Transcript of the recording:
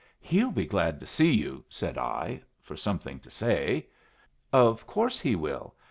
"He'll be glad to see you," said I, for something to say. "Of course he will!